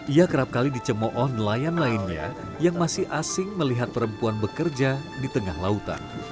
ia kerap kali dicemooh nelayan lainnya yang masih asing melihat perempuan bekerja di tengah lautan